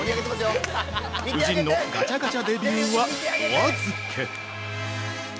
◆夫人のガチャガチャデビューは、おあずけ！